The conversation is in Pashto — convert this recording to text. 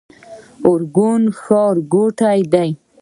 ارګون ښارګوټی دی؟